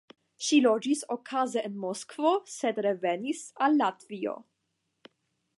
Ŝi loĝis okaze en Moskvo sed revenis al Latvio.